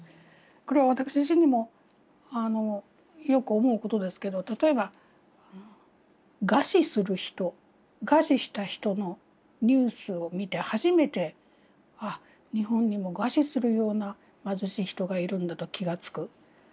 これは私自身にもよく思うことですけど例えば餓死する人餓死した人のニュースを見て初めてあ日本にも餓死するような貧しい人がいるんだと気が付く。